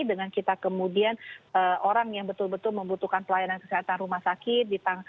dengan kita kemudian orang yang betul betul membutuhkan pelayanan kesehatan rumah sakit